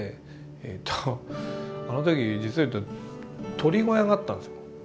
えとあの時実を言うと鶏小屋があったんです。